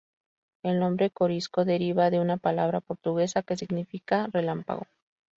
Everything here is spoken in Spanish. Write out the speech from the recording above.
El nombre Corisco deriva de una palabra portuguesa que significa relámpago.